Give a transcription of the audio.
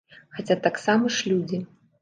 Хаця таксама ж людзі.